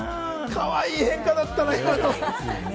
かわいい変化だったね。